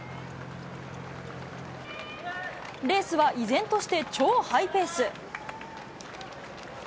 レースは依然として超ハイペース。